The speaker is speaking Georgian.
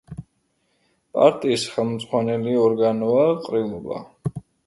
პარტიის ხელმძღვანელი ორგანოა ყრილობა.